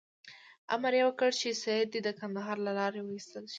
امر یې وکړ چې سید دې د کندهار له لارې وایستل شي.